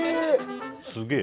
すげえ。